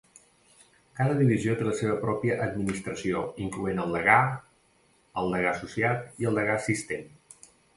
Cada divisió té la seva pròpia administració, incloent el degà, el degà associat i el degà assistent.